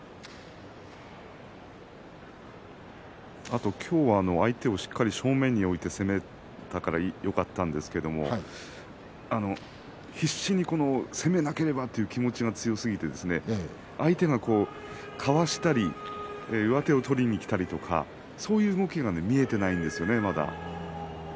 あと今日は相手をしっかり正面に置いて攻めたからよかったんですけれど必死に攻めなければという気持ちが強すぎて相手がかわしたり上手を取りにきたりとかそういう動きが見えていないんですよね、まだ。